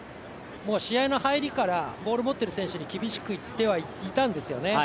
もう試合の入りからボールを持っている選手に厳しくいってはいたんですよね。